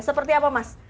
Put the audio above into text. seperti apa mas